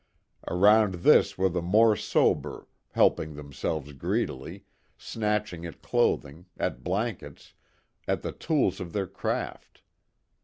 Around this were the more sober, helping themselves greedily, snatching at clothing, at blankets, at the tools of their craft.